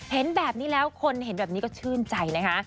เห็นแบบนี้แล้วคนเห็นแบบนี้ก็ชื่นใจนะคะ